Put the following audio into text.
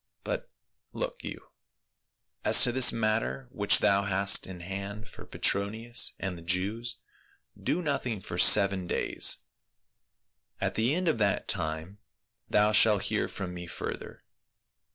But, look you, THE MEDIATOR. 187 as to this matter which thou hast in hand for Petro nius and the Jews, do nothing for seven days. At the end of that time thou shalt hear from me further."